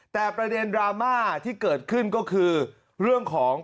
แต่ประเด็จรามาที่เกิดขึ้นก็คือ